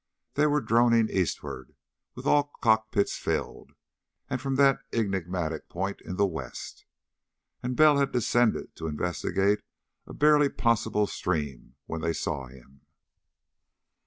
They were droning eastward, with all cockpits filled, from that enigmatic point in the west. And Bell had descended to investigate a barely possible stream when they saw him.